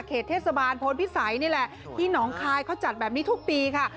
เทศบาลพลพิสัยนี่แหละที่หนองคายเขาจัดแบบนี้ทุกปีค่ะ